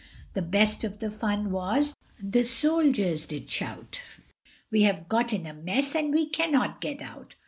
The best of the fun was the soldiers did shout, We have got in a mess, and we cannot get out!